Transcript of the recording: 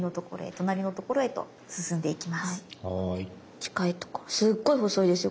近いとこすっごい細いですよ